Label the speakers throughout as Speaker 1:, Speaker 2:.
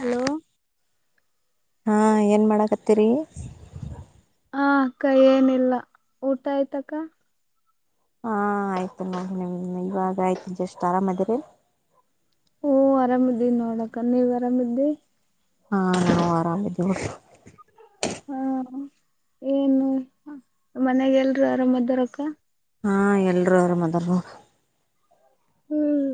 Speaker 1: Hello.
Speaker 2: ಹಾ ಏನ್ ಮಾಡಕತ್ತೀರಿ.
Speaker 1: ಹಾ ಅಕ್ಕಾ ಏನಿಲ್ಲಾ ಊಟ ಆಯ್ತಕ್ಕಾ
Speaker 2: ಹಾ ಆಯ್ತು ಮಾಮ್ ನಿಮ್ಮ ನೀಮ್ಮ ಇವಾಗ ಆಯ್ತು ಜಸ್ಟ್ ಆರಾಮ ಅದಿರೀ
Speaker 1: ಓ ಆರಾಮಿದ್ದಿವಿ ನೋಡ ಅಕ್ಕಾ ನೀವ್ ಆರಾಮ ಇದಿರಿ
Speaker 2: ಹಾ ನಾವು ಆರಾಮ ಇದೀವಿ ನೋಡ್ರಿ
Speaker 1: ಹಾ, ಏನು ಹುಯ್ ಮನೆಗೆ ಎಲ್ರೂ ಆರಾಮ್ ಇದ್ದಾರ ಅಕ್ಕ.
Speaker 2: ಹಾ, ಎಲ್ಲರೂ ಅರಾಮ ಅದಾರವ್ವ.
Speaker 1: ಹ್ಮ್,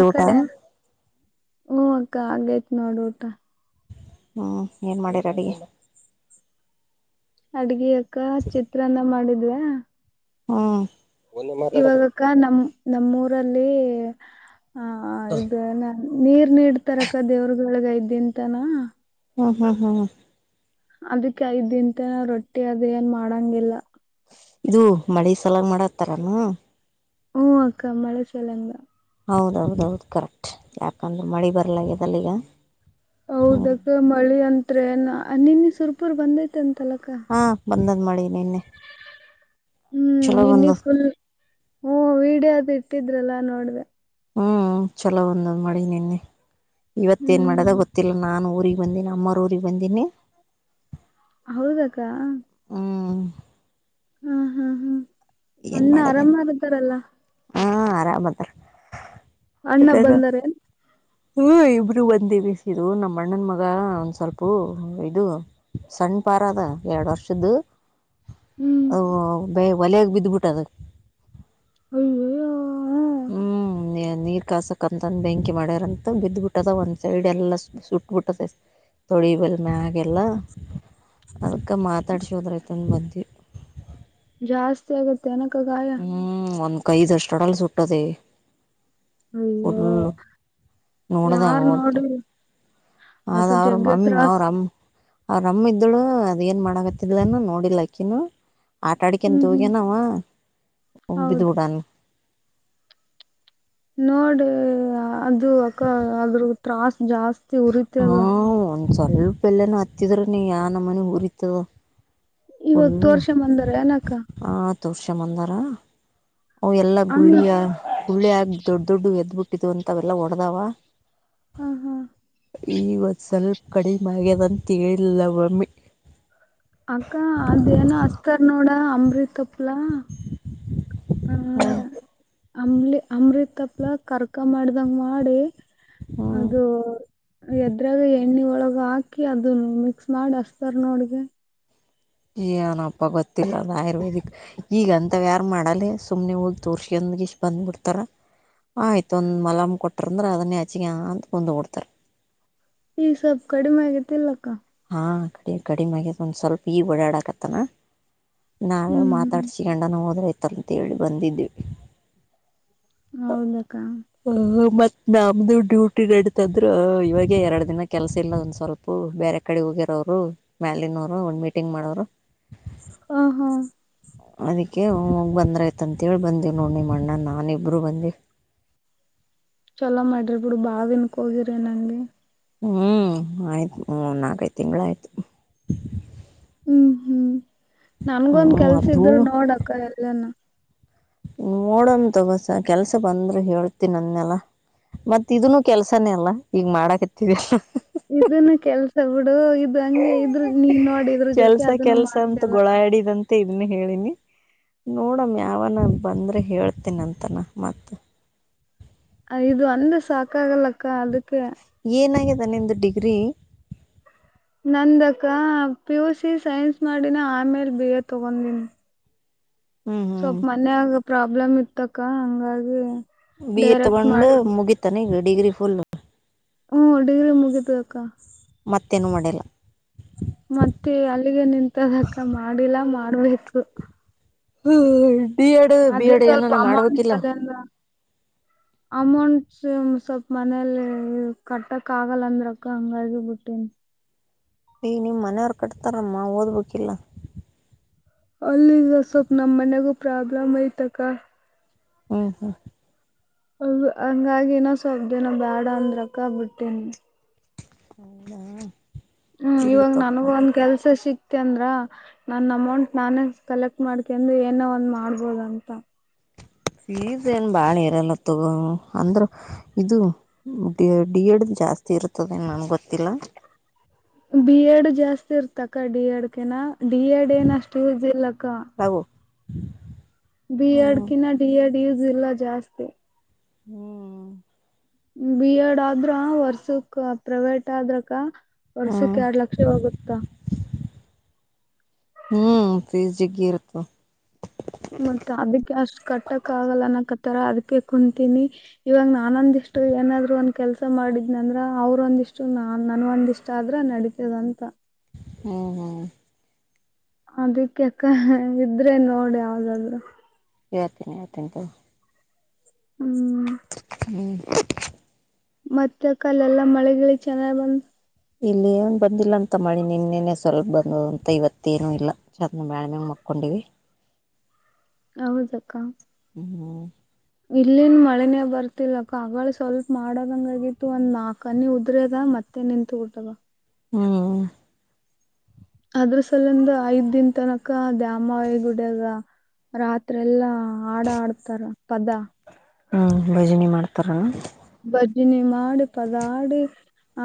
Speaker 1: ಆ
Speaker 2: ಊಟ
Speaker 1: ಕಡೆ ಹೂ ಅಕ್ಕ ಆಗೈತ್ ನೋಡು ಊಟ.
Speaker 2: ಹ್ಮ್, ಏನ್ ಮಾಡಿರ ಅಡಿಗಿ
Speaker 1: ಅಡ್ಗೆ ಅಕ್ಕ ಚಿತ್ರನ್ನ ಮಾಡಿದ್ವಾ
Speaker 2: ಹ್ಮ್,
Speaker 1: ಇವಾಗಕ್ಕ ನಮ್ಮ ನಮ್ಮೂರಲ್ಲಿ ಆಹ ಇದೇನಾ ನೀರ್ ನಿಡ್ತಾರಕ್ಕಾ ದೇವ್ರಗಳಿಗೆಐದೀನಾ.
Speaker 2: ಹಾ. ಹಾ. ಹಾ. ಹಾ...
Speaker 1: ಅದಿಕ್ಕೆಐದ್ ದಿನ ತನ ರೊಟ್ಟಿ ಅದ ಏನ್ ಮಾಡಂಗಿಲ್ಲ.
Speaker 2: ಇದು ಮಳೆ ಸಲಾಗ್ ಮಾಡತ್ತಾರೇನು?.
Speaker 1: ಹ್ಮ್, ಅಕ್ಕ ಮಳೆ ಸಲಾಗಿಂದಾ
Speaker 2: ಹೌದೌದ ಹೌದು ಕರೆಕ್ಟ್ ಯಾಕಂದ್ರೆ ಮಳಿ ಬರ್ಲಾಗದಲ್ಲಾ ಈಗ. ಹ್ಮ್
Speaker 1: ಹೌದಾಕ್ಕ ಮಳಿ ಅಂದ್ರೆ ಎನ್ ಅನಿ ನು ಸುರ್ಪುರ್ ಬಂದೈತೆ ಅಂತಲಕ್ಕಾ.
Speaker 2: ಹಾ ಬಂದದ್ ಮಳೆ ನಿನ್ನೆ ಚಲೋ
Speaker 1: ನಿನ್ನೆ
Speaker 2: ಬಂದಾದ.
Speaker 1: ಫುಲ್ ಹ್ಮ್, ವಿಡಿಯೋ ಅದು ಇಟ್ಟಿದ್ರಲ್ಲಾ ನೋಡ್ದೆ.
Speaker 2: ಹ್ಮ್, ಚಲೋ ಒಂದ್ ಮಾಡಿ ನಿನ್ನೆ ಇವತ್ತ ಏನ್ ಮಾಡ್ಯದ
Speaker 1: ಹ್ಮ್
Speaker 2: ಗೊತ್ತಿಲ್ಲ ನಾನು ಊರಿಗೆ. ಒಂದೀನಾ ಅಮ್ಮರೂರಿಗೆ ಬಂದೀನಿ.
Speaker 1: ಹೌದಕ್ಕ, -
Speaker 2: ಹ್ಮ್,
Speaker 1: ಹಾ ಹಾ
Speaker 2: ಏನ್
Speaker 1: ಅಣ್ಣ
Speaker 2: ಮಾಡದೇನ್
Speaker 1: ಆರಾಮಾಗಿದ್ದಾರಲ್ಲಾ
Speaker 2: ಹಾ ಆರಾಮಅದ [unintelligible]
Speaker 1: ಅಣ್ಣ
Speaker 2: ಮತ್ತೆ ನ
Speaker 1: ಬಂದಾರೇನ್
Speaker 2: ಹ್ಮ್, ಇಬ್ರು ಬಂದೇ [unintelligible] ಬಿಸಿ ಇದು ನಮ್ಮ ಅಣ್ಣನ್ ಮಗ ಒಂದ್ ಸ್ವಲ್ಪ ಇದು. ಸಣ್ಣ ಪಾರಾದ ಎರಡ್ ವರ್ಷದ್ದು.
Speaker 1: ಹ್ಮ್
Speaker 2: ಹೊ ಒಲಗ ಬಿದ್ಬಿಟ್ಟದ
Speaker 1: ಅಯ್ಯೋ. !
Speaker 2: ಹ್ಮ್, ನೇ ನೀರ್ ಕಸಕ ಅಂತಂದು ಬೆಂಕಿ ಮಾಡ್ಯಾರಂತ ಬಿದ್ದ್ಬಿಟ್ಟದ ಒಂದ್ ಸೈಡ್ ಎಲ್ಲಾ ಸುಟ್ಬಿಟ್ಟದ. ತೊಳಿಬೇಕ ಮ್ಯಾಗೆಲ್ಲ ಅದ್ಕ್ ಮಾತಾಡ್ಸೋದ್ರೈಂತ ಬಂದ.
Speaker 1: ಜಾಸ್ತಿ ಆಗೈತೇನಕ್ಕಾ ಗಾಯ.
Speaker 2: ಹ್ಮ್, ಒಂದ್ ಕೈದ ಅಷ್ಟ ಅಡಲ್ ಸುಟ್ಟದೆ!
Speaker 1: ಅಯ್ಯೋ
Speaker 2: ಫುಲ್ಲು ನೋಡಿದ
Speaker 1: ಯಾರ್
Speaker 2: ಆಗವಲ್ತು
Speaker 1: ನೋಡಿದ್ರು
Speaker 2: ಅದ
Speaker 1: ಅದು
Speaker 2: ಅವರು
Speaker 1: ಜಗ್ಗೆ
Speaker 2: ಮಮ್ಮಿ
Speaker 1: ತ್ರಾಸ್
Speaker 2: ಅವರ ಅಮ್ಮ ಅವ್ರಮ್ಮ್ ಇದ್ಳು ಅದ ಏನ್ ಮಾಡಕತ್ತಿದ್ಲೇನ ನೋಡಿಲ್ಲ ಅಕ್ಕಿನು. ಆಟ ಆಡಿಕೆಂತ
Speaker 1: ಹ್ಮ್
Speaker 2: ಹೋಗ
Speaker 1: ಹ್ಮ್
Speaker 2: ನಾವ ಬಿದ್ದ
Speaker 1: ಹೌದು
Speaker 2: ಬಿಟ್ಟಾನ.
Speaker 1: ನೋಡಿ ಅದು ಅಕ್ಕ ಅದ್ರ ತ್ರಾಸ್ ಜಾಸ್ತಿ ಉರಿತದ.
Speaker 2: ಹ್ಞೂ ಒಂದು ಸ್ವಲ್ಪ ಎಲ್ಲೇನಾ ಹತ್ತಿದ್ರನೆಯಾನಮನಿ ಊರಿತ್ತದ.
Speaker 1: ಇವಾಗ
Speaker 2: ಪುಲ್ಲು
Speaker 1: ತೋರ್ಸಂಬಂದಾರ ಏನಕ್ಕ
Speaker 2: ಹಾ ತೊರ್ಸಂಬಂದಾರ ಅವ ಎಲ್ಲಾ
Speaker 1: ಹಂಗ
Speaker 2: ಗುಳ್ಳಿಯ ಗುಳ್ಳಿ ಆಗ ದೊಡ್ಡ ದೊಡ್ಡ ಎದ್ಬಿಟ್ಟಿದು ಅಂತ ಅವೆಲ್ಲಾ ಹೊಡದಾವ.
Speaker 1: ಹ್ಮ್, ಹ್ಮ
Speaker 2: ಈವತ್ತು ಸ್ವಲ್ಪ ಕಡಿಮೆ ಆಗ್ಯದಂತ ಹೇಳಿಲ್ಲವಮ್ಮಿ.
Speaker 1: ಅಕ್ಕ ಅದೇನ ಹಸ್ತಾರ್ ನೋಡ ಅಂಬ್ರಿತಪ್ಲಾ ಆ ಅಂಬ್ರಿ ತಪ್ಲಾ ಕರ್ಕ ಮಾಡ್ದಂಗ ಮಾಡಿ
Speaker 2: ಹ್ಞೂ
Speaker 1: ಅದು ಎದ್ರಾಗ ಎಣ್ಣಿಒಳಗ ಹಾಕಿ ಅದ ಮಿಕ್ಸ್ ಮಾಡಿ ಹಚ್ತಾರ್ ನೋಡ್ಗೆ.
Speaker 2: ಏನಪ್ಪ ಗೊತ್ತಿಲ್ಲ ಅದು ಆಯುರ್ವೇದಿಕ್. [inaudible] ಈಗ ಹಂತವ ಯಾರು ಮಾಡಲ್ಲೆ ಸುಮ್ನೆ ಹೋಗಿ ತೋರ್ಸಕಂದ ಇಷ್ಟ್ ಬಂದಬಿಡ್ತಾರ. [inaudible] ಆಯ್ತ ಒಂದ್ ಮಲಮ್ ಕೊಟ್ಟರ ಅಂದರ ಅದನ್ನೇ ಹಚ್ಚಿಗ್ಯಾಂದ ಕುಂತ ಬಿಡ್ತಾರೆ. [inaudible]
Speaker 1: ಈಗ ಸ್ವಲ್ಪ ಕಡಿಮೆ ಆಗ್ಯತ ಇಲ್ಲ ಅಕ್ಕಾ. [inaudible]
Speaker 2: ಹಾ ಕಡಿ ಕಡಿಮೆ ಆಗ್ಯತ ಒಂದು ಸ್ವಲ್ಪ ಈಗ ಓಡಾಕತ್ತನಾ [inaudible] ನಾವೇ
Speaker 1: ಹ್ಮ್ ಹ್ಮ್
Speaker 2: ಮಾತಾಡ್ಸಿಕೊಂಡನ ಹೋದರ ಆಯ್ತ ಅಂತೇಳಿ ಬಂದಿದ್ವಿ. [inaudible]
Speaker 1: ಹೌದ ಅಕ್ಕಾ. [inaudible]
Speaker 2: ಅಹ ಮತ್ತ ನಮ್ದು ಡ್ಯೂಟಿ ನಡಿತದ್ರ ಇವಾಗೇ ಎರಡು ದಿನ ಕೆಲಸ ಇಲ್ಲ ಒಂದ ಸ್ವಲ್ಪ. [inaudible] ಪೊ ಬೇರೆ ಕಡೆ ಹೋಗಿರ ಅವರು ಮ್ಯಾಲಿನವರು ಒಂದ ಮೀಟಿಂಗ್ ಮಾಡೋರು. [inaudible]
Speaker 1: ಹ ಹಾ [inaudible]
Speaker 2: ಅದಕ್ಕೆ ಹೋಗ ಬಂದರ ಆಯ್ತು ಅಂತ ಹೇಳಿ ಬಂದೆ ನೋಡ ನಿಮ್ಮ ಅಣ್ಣ ನಾನ ಇಬ್ಬರು ಬಂದವಿ. [inaudible]
Speaker 1: ಚೊಲೋ ಮಾಡಿರ ಬಿಡ ಬಾಳ್ ದಿನಕ್ಕ ಹೋಗಿರ ಏನ್ ಅಲ್ಲಿ. [inaudible]
Speaker 2: ಹೂ ಆಯ್ತು ಮೂರ ನಾಲ್ಕೈದು ತಿಂಗಳು ಆಯ್ತು. [inaudible]
Speaker 1: ಹೂ ಹೂ ನನಗ ಒಂದ
Speaker 2: ಹ್ಞೂ
Speaker 1: ಕೆಲಸ
Speaker 2: ಅದು
Speaker 1: ಇದರ ನೋಡಕ್ಕ ಎಲ್ಲನ? [inaudible]
Speaker 2: ನೋಡಂ ತೊಗೊ ಸಾಕ ಕೆಲಸ ಬಂದ್ರು ಹೇಳ್ತಿನಿ ಅದನ್ನ ಅಲ್ಲಾ? [inaudible] ಮತ್ತ ಇದನ್ನು ಕೆಲಸಾನೇ ಅಲ್ಲ ಈಗ ಮಾಡಕತ್ತವಿ. [inaudible]
Speaker 1: ಇದನ್ನ ಕೆಲಸಾ ಬಿಡು ಇದು ಹಂಗೆ ಇದರ ನೀನ್ ನೋಡಿ. [inaudible]
Speaker 2: ಕೆಲಸಾ ಕೆಲಸಾ ಅಂತ ಗೊಳ ಆಡಿದಂತ. [inaudible] ಮತ್ತೆ ಇದನ್ನ ಹೇಳಿನಿ ನೋಡಮ್ಮ ಯಾವನ ಬಂದ್ರೆ ಹೇಳ್ತೀನ ಅಂತಾನ ಮತ್ತ. [inaudible]
Speaker 1: ಐದ ಒಂದ್ ಸಾಕಾಗಲ್ಲಕ್ಕ ಅದಕ್ಕೆ. [inaudible]
Speaker 2: ಏನಾಗಿದೆ ನಿಂದ ಡಿಗ್ರಿ? [inaudible]
Speaker 1: ನಂದ ಅಕ್ಕಾ ಪಿ ಯು ಸಿ ಸೈನ್ಸ್ ಮಾಡಿನ ಆಮೇಲ್ ಬಿ ಎ ತಗೊಂಡೀನಿ. [inaudible]
Speaker 2: ಹ್ಮ್ ಹ್ಮ್
Speaker 1: ಸ್ವಲ್ಪ ಮನ್ಯಾಗ ಪ್ರಾಬ್ಲಮ್ ಇತ್ತಕ್ಕ ಹಂಗಾಗಿ. [inaudible]
Speaker 2: ಬಿ ಇ ತಗೊಂಡ್
Speaker 1: ಮಾಡಿದ್ನಿ
Speaker 2: ಮುಗೀತನ ಈಗ ಡಿಗ್ರಿ ಫುಲ್? [inaudible]
Speaker 1: ಹೂ ಡಿಗ್ರಿ ಮುಗೀತ್ತದ ಅಕ್ಕಾ. [inaudible]
Speaker 2: ಮತ್ತೇ ಏನು ಮಾಡಿಲ್ಲ? [inaudible]
Speaker 1: ಮತ್ತೆ ಅಲ್ಲಿಗೆ ನಿಂತದಕ್ಕ ಮಾಡಿಲ್ಲಾ ಮಾಡಬೇಕು.
Speaker 2: ಬಿ ಎಡ್ ಬಿ
Speaker 1: ಅದೇ
Speaker 2: ಎಡ್
Speaker 1: ಸ್ವಲ್ಪ
Speaker 2: ಏನಾನ ಮಾಡಬೇಕ ಇಲ್ಲ. [inaudible]
Speaker 1: [inaudible] ಅಮೌಂಟ್ಸ್ ಸ್ವಲ್ಪ ಮನೇಲಿ ಕಟ್ಟಕ್ ಆಗಲ್ಲ ಅಂದ್ರಕ ಹಂಗಾಗಿ ಬಿಟ್ಟೆನ [inaudible]
Speaker 2: ಈಗ ನಿಮ್ಮ ಮನೆಯವರ ಕಟ್ತಾರಮ್ಮ ಓದಬೇಕ ಇಲ್ಲ? [inaudible]
Speaker 1: ಅಲ್ಲಿಂದ ಸ್ವಲ್ಪ ನಮ್ಮ ಮನೆಗೂ ಪ್ರಾಬ್ಲಮ್ ಐತ ಅಕ್ಕಾ. [inaudible]
Speaker 2: ಹೌದ? [inaudible]
Speaker 1: ಹಂಗ ಹಂಗ ಆಗಿ ಸ್ವಲ್ಪ ದಿನ ಬ್ಯಾಡ ಅಂದ್ರಕ್ಕ ಬಿಟ್ಟಿನಿ. [inaudible]
Speaker 2: ಹೌದಾ? [inaudible]
Speaker 1: ಹ ಇವಾಗ ನನಗೂ ಒಂದ್ ಕೆಲಸ ಸಿಕ್ [inaudible] ಇತ್ತ ಅಂದ್ರ ನನ್ನ ಅಮೌಂಟ್ ನಾನೇ ಕಲೆಕ್ಟ್ ಮಾಡ್ಕೊಂಡ ಏನೋ ಒಂದು ಮಾಡಬೋದ ಅಂತ. [inaudible]
Speaker 2: ಫೀಸ್ ಏನ್ ಬಾಳ ಇರಲ್ಲ ತಗೋ ಅಂದ್ರ ಇದು. [inaudible] ಮತ್ತ ಡಿ ಡಿ ಎಡ್ ಜಾಸ್ತಿ ಇರ್ತದೆ ನನಗ ಗೊತ್ತಿಲ್ಲ. [inaudible]
Speaker 1: ಬಿ ಎಡ್ ಜಾಸ್ತಿ ಇರ್ತಕ್ಕ ಡಿ ಎಡ ಕಿನಾ ಡಿ ಎಡ್ ಏನ ಅಷ್ಟು ಯೂಸ್ ಇಲ್ಲ ಅಕ್ಕಾ. [inaudible]
Speaker 2: ಹವು [inaudible]
Speaker 1: ಬಿ ಎಡ ಕಿನ್ ಡಿ ಎಡ್ ಯೂಸ್ ಇಲ್ಲ ಜಾಸ್ತಿ. [inaudible]
Speaker 2: ಹೂ [inaudible]
Speaker 1: ಬಿ ಎಡ್ ಆದ್ರ ವರ್ಷಕ್ ಪ್ರೈವೇಟ್ ಆದರ ಅಕ್ಕಾ? [inaudible] ವರ್ಷಕ್ಕ ಎರ್ಡ್ ಲಕ್ಷ ಹೋಗುತ್ತಾ. [inaudible]
Speaker 2: ಹ್ಮ್, ಪೀಜ ಜಗ್ಗಿ ಇರತದ
Speaker 1: ಮತ್ತ ಅದಕ್ಕೆ ಅಷ್ಟು ಕಟ್ಟಕ್ ಆಗಲ್ಲ ಅನಕತ್ತಾರ ಅದಕ್ಕೆ ಕುಂತೀನಿ. ಇವಾಗ ನಾನೊಂದಿಷ್ಟು ಏನಾದ್ರು ಒಂದ ಕೆಲ್ಸ ಮಾಡಿದ್ನ ಅಂದ್ರ ಅವ್ರ ಒಂದಿಷ್ಟ ನ ನನ್ ಒಂದಿಷ್ಟ ಆದ್ರ ನಡಿತದ. ಇಂತ [inaudible]
Speaker 2: ಹಓ ಹೋ [unintelligible]
Speaker 1: ಅದಕ್ಕೆಅಕ್ಕಾ ಇದ್ರೆ ನೋಡ್ ಯಾವದಾದ್ರು.
Speaker 2: ಹೇಳ್ತೀ [unintelligible] ನಿ ಯತ್ತೀಿಂತು
Speaker 1: ಹ್ಮ್,
Speaker 2: ಹೂ [inaudible]
Speaker 1: ಮತ್ತೆ ಅಕ್ಕಾ ಅಲ್ಲೆಲ್ಲಾ ಮಳೆ -ಗಿಳಿಚೆನ್ನಾಗ್ ಬಂದ
Speaker 2: ಇಲ್ಲ ಏನ್ ಬಂದಿಲ್ಲ ಅಂತ ಮಾಳಿನಿನ್ನೆನೆ ಸ್ವಲ್ಪ ಬಂದ ಅಂತ ಇವತ್ತೇಏನು ಇಲ್ಲಾ. ಸದ್ದಾ ಮ್ಯಾಳಿಗಿ ಮ್ಯಾಗ ಮಕ್ಕೊಂಡಿವಿ.
Speaker 1: ಹೌದಕ್ಕಾ
Speaker 2: ಹ್ಮ್,
Speaker 1: ಇಲ್ಲೇನ್ ಮಳೆನೇ ಬರ್ತಿಲ್ಲಕ್ಕಾಅಗಳೆಸ್ವಲ್ಪ ಮಾಡಾದಂಗ ಆಗಿತ್ತು ಒಂದ್ ನಾಲ್ಕನಿ ಉದ್ರ ಅದ ಮತ್ತ. ಮತ್ತೆ ನಿಂತು ಬಿಟ್ಟಾದ.
Speaker 2: ಹ್ಮ್,
Speaker 1: ಅದ್ರ ಸಲಂದ ಐದ್ ದಿನ ತನಕ ದ್ಯಾಮಾಹಿ ಗುಡಾಗ ರಾತ್ರೆ ಎಲ್ಲಾ ಆಡ ಆಡ್ತಾರ ಪದಾ
Speaker 2: ಹ್ಮ್, ಭಜನೆ ಮಾಡ್ತಾರನ
Speaker 1: ಭಜನೆ ಮಾಡಿ ಪದಾಡಿ ಆ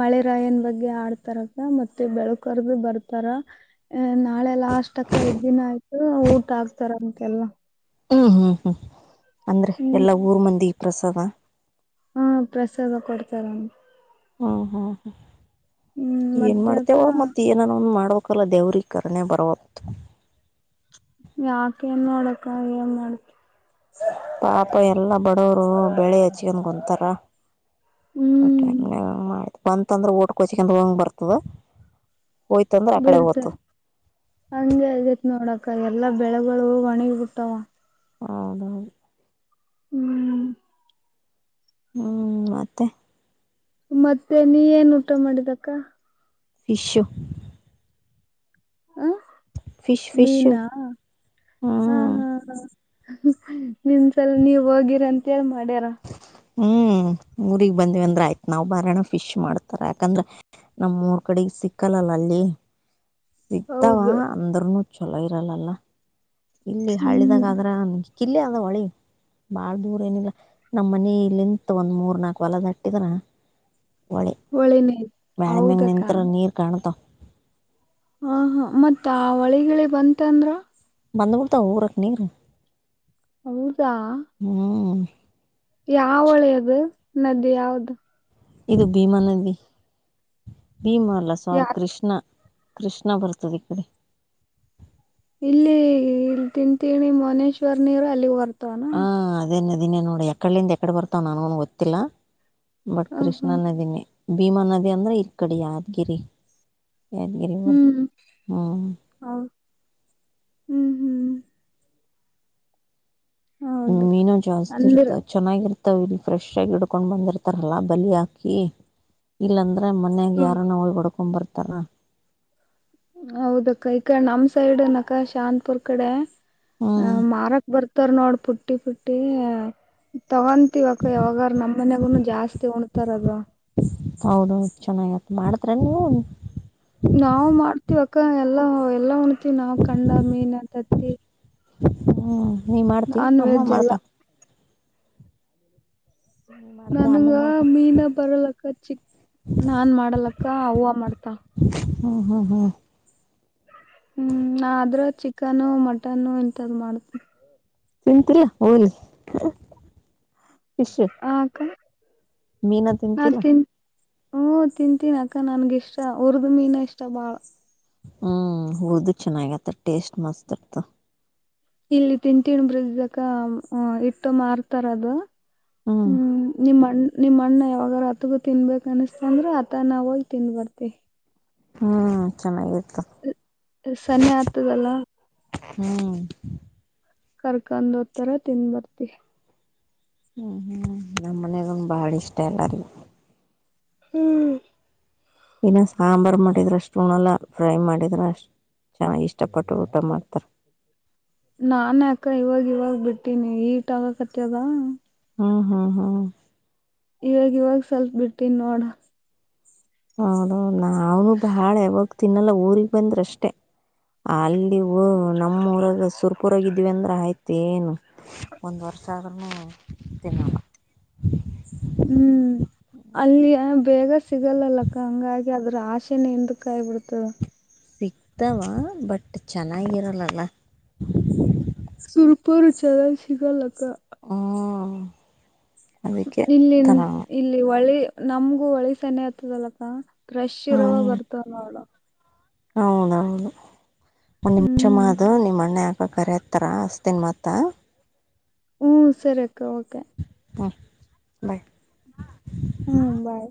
Speaker 1: ಮಳೆ ರಾಯನ್ ಬಗ್ಗೆ ಆಡ್ತಾರ ಮತ್ತೆ ಬೆಳ್ಕರ್ದು ಬರ್ತಾರ ನಾಳೆ ಲಾಸ್ಟ್ ಅಕ್ಕ ಐದ್ದಿನ ಆಯ್ತು ಊಟ ಆಕ್ತಾರಂತಲ್ಲಾ.
Speaker 2: ಹ್ಮ್, ಹ್ಮ್ ಹ್ಮ್ ಅಂದ್ರೆ
Speaker 1: ಹ್ಮ್
Speaker 2: ಎಲ್ಲಾ ಊರ್ ಮಂದಿ ಪ್ರಸಾದ
Speaker 1: ಹಾ, ಪ್ರಸಾದ ಕೊಡ್ತಾರ.
Speaker 2: ಹ್ಮ್, ಹ್ಮ್ ಹ
Speaker 1: ಹ್ಮ್
Speaker 2: ಏನ್
Speaker 1: ಮತ್ತೆ ಅಕ್ಕ
Speaker 2: ಮಾಡ್ತೇವ ಮತ್ತ ಎನರೊಂದ ಮಾಡ್ಬೇಕಲ್ಲ ದೇವ್ರ ಕರುಣೆ ಬರಬೇಕ
Speaker 1: ಯಾಕೆ ಏನ್ ಮಾಡೋಡಕ್ಕ ಏನ್ ಮಾಡ [unintelligible]
Speaker 2: ಪಾಪ ಎಲ್ಲಾ ಬಡವರು ಬೆಳೆ ಹಚ್ಕೊಂಡ ಕುಂತಾರ.
Speaker 1: ಹ್ಮ್
Speaker 2: ಟೈಮ್ ಆಯ್ತು ಬಂತಂದ್ರೆ ಒಟುಕೋಚ್ಕೊಂಡ ಹೋಗಂಗ ಬರ್ತದ. ಹೋಯ್ತಂದ್ರ ಆ ಕಡೆ
Speaker 1: ಬಡ್ತ
Speaker 2: ಹೋತು
Speaker 1: ಹಂಗೆ ಆಗತ್ ನೋಡಕ ಎಲ್ಲಾ ಬೆಳೆಗಳು ಒಣಗಿ ಬಿಟ್ಟಾವ.
Speaker 2: ಹೌದ [inaudible]
Speaker 1: ಹ್ಮ್,
Speaker 2: ಹ್ಮ್, ಮತ್ತೆ
Speaker 1: ಮತ್ತೆ ನೀ ಏನ್ ಊಟ ಮಾಡಿದಕ್ಕಾ
Speaker 2: ಶಿಷು [inaudible]
Speaker 1: ಹ್ಮ್,
Speaker 2: ಫಿಶ್ ಫಿಶು
Speaker 1: ಮೀನಾ ಹಾ,
Speaker 2: ಹ್ಮ್
Speaker 1: ಹಾ, ಹಾ ನಿಮ್ಸಲ ನೀವ ಹೋಗಿರ ಅಂತ ಹೇಳ ಮಾಡ್ಯಾರ
Speaker 2: ಹ್ಮ್ ಊರಿಗ್ ಬಂದಿವ ಅಂದ್ರ ಆಯ್ತ್ ನಾವ್ ಬರಣ ಫಿಶ್ ಮಾಡ್ತಾರ. ಯಾಕಂದ್ರ ನಮ್ಮೂರ್ ಕಡೆಗೆ ಸಿಕ್ಕಲ್ಲಲ್ಲಾ ಅಲ್ಲಿ ಸಿಗ್ತಾವ
Speaker 1: ಹೌದು
Speaker 2: ಅಂದ್ರನು ಚಲೋ ಇರಲ್ಲಲ್ಲಾ ಇಲ್ಲಿ ಹಳ್ಳಿದಾಗ
Speaker 1: ಹ್ಮ್
Speaker 2: ಆದ್ರನ್ ಕಿಲ್ಲಿ ಅದ ಹೊಳಿ ಬಾಳ ದೂರ ಏನಿಲ್ಲ ನಮ್ಮ್ ಮನಿ ಇಲ್ಲಿಂತ ಒಂದ್ ಮೂರ್ ನಾಲ್ಕು ಹೊಲ ದಾಟ್ಟಿದ್ರ ಹೊಳಿ
Speaker 1: ಒಳಿನೇ
Speaker 2: ಮ್ಯಾಳಿಗಿ ಮ್ಯಾಗ
Speaker 1: ಹೌದಕ್ಕ
Speaker 2: ನಿಂತ್ರ ನೀರ್ ಕಾಣ್ತಾವ.
Speaker 1: ಹ, ಹ ಮತ್ತ ಆ ಹೊಳಿಗಿಳ ಬಂತ ಅಂದ್ರ
Speaker 2: ಬಂದು ಬುಡ್ತವ್ ಊರಕ್ ನೀರು.
Speaker 1: ಹೌದಾ
Speaker 2: ಹ್ಮ್
Speaker 1: ಯಾವ್ ಹೊಳೇ ಇವು ನದಿ ಯಾವ್ದು
Speaker 2: ಇದು ಭೀಮಾ ನದಿ ಭೀಮ ಅಲ್ಲ
Speaker 1: ಯಾ
Speaker 2: ಸರಿ ಕೃಷ್ಣ ಕೃಷ್ಣ ಬರ್ತದೆ ಈ ಕಡೆ
Speaker 1: ಇಲ್ಲಿ ಇಲ್ಲಿ ತಿಂತೀನಿ ಮನೇಶ್ವರ್ ನೀರು ಅಲ್ಲಿಗೆ ಬರ್ತವೆನೊ
Speaker 2: ಹ ಅದೇ ನದಿನೇ ನೋಡು ಯಾಕಡ್ಲಿಂದ ಯಾಕಡೆ ಬರ್ತಾವ್ ನನಗೂನು ಗೊತ್ತಿಲ್ಲ. ಬಟ್
Speaker 1: ಹ
Speaker 2: ಕೃಷ್ಣ
Speaker 1: ಹಾ
Speaker 2: ನದಿನೇ ಭೀಮಾ ನದಿ ಅಂದ್ರೆ ಈ ಕಡೆ ಯಾದ್ಗಿರಿ ಯಾದಗಿರಿ ಬರ್ತ
Speaker 1: ಹ್ಮ್
Speaker 2: ಹ್ಮ್
Speaker 1: ಹೌ ಹ್ಮ್ ಹ್ಮ್
Speaker 2: ಹ್ಮ್
Speaker 1: ಹೌದಕ್ಕ
Speaker 2: ಮೀನು ಜಾಸ್ತಿ
Speaker 1: ಅಂದ್ರ
Speaker 2: ಇರ್ತದೆ. ಚೆನ್ನಾಗಿರ್ತಾವ ಇಲ್ಲಿ ಫ್ರೆಶ್ ಆಗಿ ಹಿಡ್ಕೊಂಡ್ ಬಂದಿರ್ತಾರಲ್ಲಾ ಬಲಿ ಹಾಕಿ ಇಲ್ಲಂದ್ರೆ ಮ ಮನ್ಯಾಗ
Speaker 1: ಹ್ಮ
Speaker 2: ಯಾರು ನಾ ಹೊಡ್ಕೊಂಡ್ ಬರ್ತಾರ.
Speaker 1: ಹೌದ ಅಕ್ಕ ಈಕಡೆ ನಮ್ ಸೈಡ್ನ್ ಕ್ಕ ಶಾಂತಪುರ್ ಕಡೆ ಅ
Speaker 2: ಹ್ಮ್
Speaker 1: ಮಾರಕ್ ಬರ್ತ್ ತ್ತರ್ ನೋಡ್ ಪುಟ್ಟಿ ಪುಟ್ಟಿ ತಗೊಂತ್ತಿವಿ ಅಕ್ಕ ಯಾವಾಗಾರ ನಮ್ಮ ಮನೆಗೂನು ಜಾಸ್ತಿ ಉಣ್ತಾರ್ ಅದು.
Speaker 2: ಹೌದೌ ಚೆನ್ನಾಗಿತ್ ಮಾಡ್ದ್ರೇನ್ ನೀವುನೂ
Speaker 1: ನಾವು ಮಾಡ್ತೀವ ಅಕ್ಕ ಎಲ್ಲಾ ಎಲ್ಲ ಉಣ್ತಿವಿ ನಾವ್ ಖಂಡ ಮೀನ ತತ್ತಿ
Speaker 2: ಹ್ಮ್ ನೀ ಮಾಡ್ತಿ
Speaker 1: ನಾನ್
Speaker 2: ಅಮ್ಮ
Speaker 1: ವೆಜ್ ಎಲ್ಲ
Speaker 2: ಮಾಡ್ತಾ ನೀ ಮಾಡ್ತಾ ಅಮ್ಮ
Speaker 1: ನನಗ
Speaker 2: ಮಾಡ್ತಾ
Speaker 1: ಮೀನ ಬರಲಕ್ಕ ಚಿಕ್ ನಾನ್ ಮಾಡಲಕ್ಕ ಅವ್ವ ಮಾಡ್ತ
Speaker 2: ಹ್ಮ ಹ್ಮ ಹ್ಮ
Speaker 1: ಹ್ಮ್ ನಾ ಆದ್ರೆ ಚಿಕನು ಮಟನ್ನು ಇಂಥದ್ ಮಾಡ್ತೀನಿ.
Speaker 2: ತಿಂತೀರಿ ಹೊಲಿ ಫಿಶೂ.
Speaker 1: ಅ ಅಕ್ಕ
Speaker 2: ತಿಂತಿಲ್ಲ
Speaker 1: ಮಾಡ್ತ್ ಹ್ಮ್ ತಿಂತೀನಿ ಅಕ್ಕ ನನಗ ಇಷ್ಟ ಉರ್ದು ಮೀನಾ ಇಷ್ಟ ಬಾಳ
Speaker 2: ಹ್ಮ್ ಹುರುದು ಚೆನ್ನಾಗತ್ತ ಟೇಸ್ಟ್ ಮಸ್ತ್ ಇರ್ತ
Speaker 1: ಇಲ್ಲಿ ತಿಂಡಟೀನ ಬ್ರಿಜ್ ಅಕ್ಕ ಇಟ್ಟು ಮಾರತಾರೆ ಅದು ಹ್ಮ್ ನಿಮ್ಮಣ್ ನಿಮ್ಮ ಅಣ್ಣ ಯಾವಾಗಾರೂ ಹತ್ತಗೂ ತಿನ್ಬೇಕು ಅನ್ನಿಸ್ತಂದ್ರೆ ಆತ ನಾವು ಹೋಗಿ ತಿಂದಬರ್ತೀವಿ.
Speaker 2: ಹ್ಮ್ ಚೆನ್ನಾಗಿತ್ತು.
Speaker 1: ಸನ್ನೆ ಆತ್ತದಲ್ಲ
Speaker 2: ಹ್ಮ್
Speaker 1: ಕರ್ಕೊಂಡ್ ಹೋತ್ತರೆ ತಿನ್ ಬರ್ತಿವಿ
Speaker 2: ಹ್ಮ್ ಹ್ಮ್ ನಮ್ಮ್ ಮನೆಗೂನ್ ಬಾಳ ಇಷ್ಟ ಎಲ್ಲಾರಿಗೂ.
Speaker 1: ಹ್ಮ್
Speaker 2: ಇನ್ನು ಸಾಂಬಾರ್ ಮಾಡಿದ್ರೆ ಅಷ್ಟು ಉಣಲ್ಲ ಫ್ರೈ ಮಾಡಿದ್ರೆ ಅಷ್ಟ್ ಚೆನ್ನಾಗಿ ಇಷ್ಟಪಟ್ಟು ಊಟ ಮಾಡ್ತಾರ್.
Speaker 1: ನಾನ ಅಕ್ಕ ಇವಾಗ ಇವಾಗ ಬಿಟ್ಟೀನಿ ಈಟ್ ಆಗಕತದ.
Speaker 2: ಹ್ಮ್ ಹ್ಮ್ ಹ್ಮ್
Speaker 1: ಇವಾಗ ಇವಾಗ ಸ್ವಲ್ಪ ಬಿಟ್ಟಿನ್ ನೋಡಾ
Speaker 2: ಹೌದ ನಾವು ಬಾಳ ಯಾವಾಗ ತಿನ್ನಲ್ಲ ಊರಗ್ ಬಂದ್ರೆ ಅಷ್ಟೇ. ಅಲ್ಲಿ ಹ ನಮ್ಮೂರಾಗ ಸುರ್ಪುರಾಗ ಇದ್ವಿ ಅಂದ್ರೆ ಆಯ್ತು ಏನು. ಒಂದು ವರ್ಷ ಆದ್ರೂ ತಿನ್ನೋಲ್ಲ
Speaker 1: ಹ್ಮ್ ಅಲ್ಲಿ ಬೇಗ ಸಿಗಲ್ಲ ಅಕ್ಕ ಹಂಗಾಗಿ ಅಂದ್ರೆ ಆಸೆನೆ ಹಿಂದಕಾಯ್ಬಿಡ್ತದೆ.
Speaker 2: ಸಿಕ್ತಾವಾ ಬಟ್ ಚೆನ್ನಾಗಿರಲಲ್ಲಾ
Speaker 1: ಸುರ್ಪೂರ ಚೆ [unintelligible] ಸಿಗಲಕ್ಕಾ
Speaker 2: ಹ್ಮೂ.
Speaker 1: ಇಲ್ಲಿ ಇಲ್ಲಿ ಒಳಿ ನಮಗೂ ಒಳಿ ಸನೆ ಆತದಲ್ಲಕ್ಕಾ ಫ್ರೆಶ್ ಇರುವ ಬರ್ತಾವ ನೋಡು.
Speaker 2: ಹೌದ ಹೌದ ಒಂದು ನಿಮಿಷ
Speaker 1: ಹ್ಮ್
Speaker 2: [unintelligible] ನಿಮ್ಮ ಅಣ್ಣಾ ಯಾಕ ಕರ್ಯಾತ್ತಾರ ಹಚ್ತಿನಿ ಮತ್ತ್
Speaker 1: ಹ್ಮೂ ಸರಿ ಅಕ್ಕಾ ಓಕೆ.
Speaker 2: ಹು [unintelligible] ಬಾಯ್.
Speaker 1: ಹ್ಮು ಬಾಯ್.